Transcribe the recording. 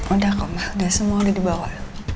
udah kok ma udah semua udah dibawa